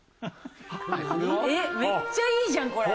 えっめっちゃいいじゃんこれ。